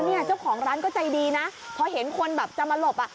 แล้วเจ้าของร้านก็ใจดีนะเพราะเห็นคนแบบจะมาหลบ